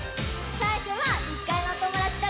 さいしょは１かいのおともだちだけ！